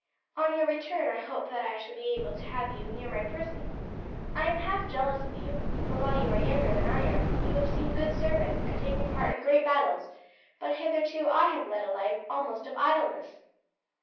On your return I hope that I shall be able to have you near my person. I am half jealous of you, for while you are younger than I am you have seen good service and taken part in great battles, but hitherto I have led a life almost of idleness."